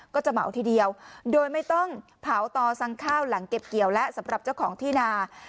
ก็จะเหมาทีเดียวโดยไม่ต้องเผาต่อสั่งข้าวหลังเก็บเกี่ยวและสำหรับเจ้าของที่นา